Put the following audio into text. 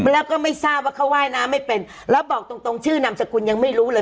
แล้วก็ไม่ทราบว่าเขาว่ายน้ำไม่เป็นแล้วบอกตรงตรงชื่อนามสกุลยังไม่รู้เลย